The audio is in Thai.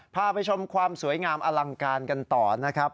พาไปชมความสวยงามอลังการกันต่อนะครับ